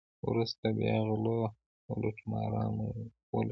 وروسته بیا غلو او لوټمارانو ولوټله.